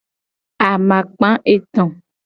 Amakpa eto.